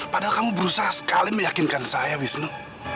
padahal kamu berusaha sekali meyakinkan saya wisnu